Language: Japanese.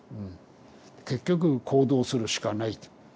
結局行動するしかないと。